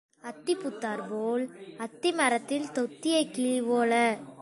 அத்தி பூத்தாற் போல் அத்தி மரத்தில் தொத்திய கிளி போல,